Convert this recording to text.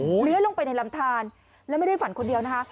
โอ้โฮเหล้วลงไปในลำถานแล้วไม่ได้ฝันคนเดียวนะฮะ